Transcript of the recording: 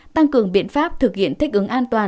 tăng cường biện pháp thực hiện thích ứng an toàn